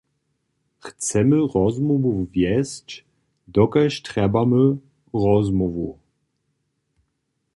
Chcemy rozmołwu wjesć, dokelž trjebamy rozmołwu.